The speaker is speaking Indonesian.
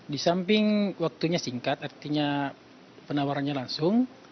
di samping waktunya singkat artinya penawarannya langsung